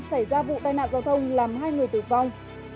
xảy ra vụ tai nạn giao thông làm hai người tử vong